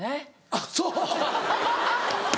あっそう！